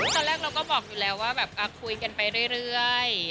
ตอนแรกเราก็บอกอยู่แล้วว่าแบบคุยกันไปเรื่อย